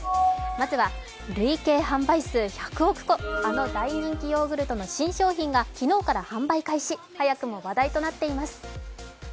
まずは累計販売数１００億個、あの大人気ヨーグルの新商品が販売開始、早くも話題となっています。